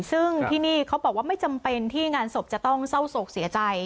ซึ่งที่นี่เขาบอกว่าไม่จำเป็นที่งานศพจะต้องเศร้าโศกเสียใจ